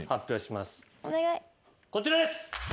こちらです。